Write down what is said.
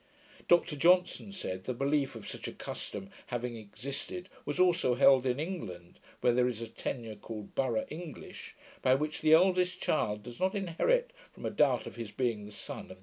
Dr Johnson said, the belief of such a custom having existed was also held in England, where there is a tenure called Borough English, by which the eldest child does not inherit, from a doubt of his being the son of the tenant.